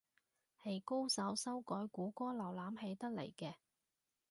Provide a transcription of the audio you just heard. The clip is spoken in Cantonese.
係高手修改谷歌瀏覽器得嚟嘅